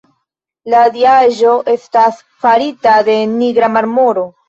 La diaĵo estas farita el nigra marmoro.